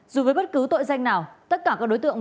dù với bất cứ tội danh nào tất cả các đối tượng